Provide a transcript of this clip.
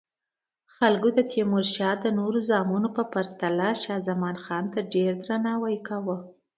خلکو د تیمورشاه د نورو زامنو په پرتله شاه زمان ته ډیر درناوی کاوه.